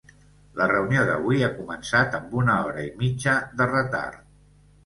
La reunió d’avui ha començat amb una hora i mitja de retard.